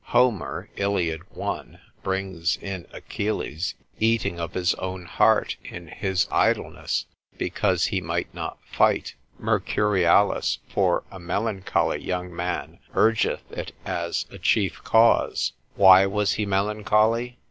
Homer, Iliad. 1, brings in Achilles eating of his own heart in his idleness, because he might not fight. Mercurialis, consil. 86, for a melancholy young man urgeth, it as a chief cause; why was he melancholy?